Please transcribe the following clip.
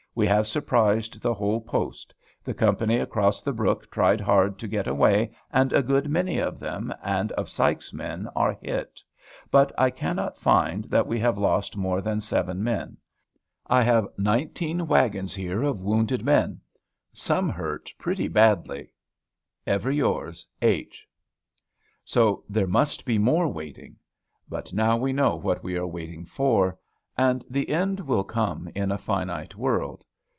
We have surprised the whole post. The company across the brook tried hard to get away; and a good many of them, and of Sykes's men, are hit; but I cannot find that we have lost more than seven men. I have nineteen wagons here of wounded men, some hurt pretty badly. Ever yours, H. So there must be more waiting. But now we know what we are waiting for; and the end will come in a finite world.